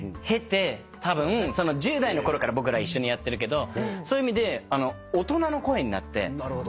１０代の頃から僕ら一緒にやってるけどそういう意味で大人の声になって。